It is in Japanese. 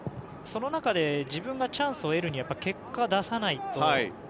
その中で自分がチャンスを得るには結果を出さないと。